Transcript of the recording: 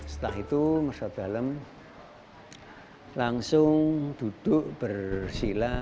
setelah itu masyarakat dalam langsung duduk bersilah